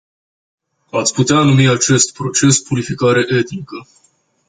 Ați putea numi acest proces purificare etnică.